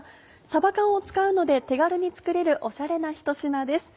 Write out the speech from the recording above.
さば缶を使うので手軽に作れるオシャレなひと品です。